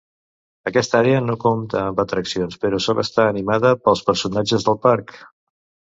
Aquesta àrea no compta amb atraccions però sol estar animada pels personatges del parc.